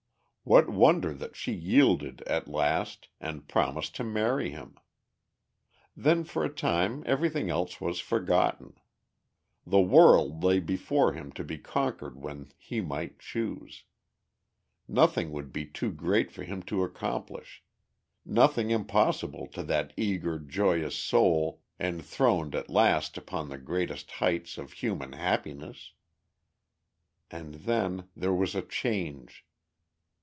What wonder that she yielded at last and promised to marry him? Then for a time everything else was forgotten. The world lay before him to be conquered when he might choose. Nothing would be too great for him to accomplish nothing impossible to that eager joyous soul enthroned at last upon the greatest heights of human happiness. And then there was a change.